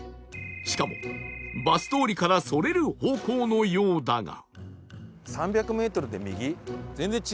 しかもバス通りからそれる方向のようだが